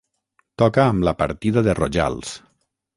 Toca amb la Partida de Rojals.